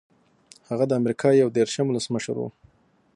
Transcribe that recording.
هغه د امریکا یو دېرشم ولسمشر و.